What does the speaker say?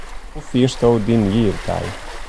Hoe fiersto dyn jierdei?